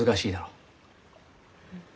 うん。